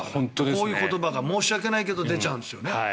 こういう言葉が申し訳ないけど出ちゃうんですよね。